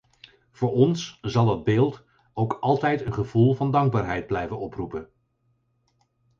Voor ons zal dat beeld ook altijd een gevoel van dankbaarheid blijven oproepen.